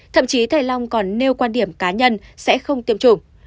thậm chí thầy long còn nêu quan điểm cá nhân sẽ không tiêm chủng